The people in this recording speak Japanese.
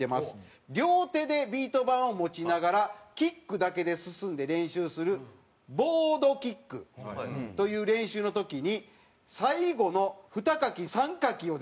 「両手でビート板を持ちながらキックだけで進んで練習するボードキックという練習の時に」。